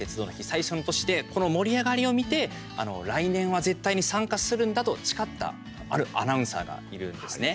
最初の年でこの盛り上がりを見て来年は絶対に参加するんだと誓ったあるアナウンサーがいるんですね。